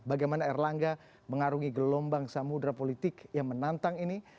bagaimana erlangga mengarungi gelombang samudera politik yang menantang ini